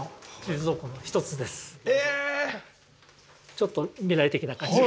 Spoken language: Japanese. ちょっと未来的な感じが。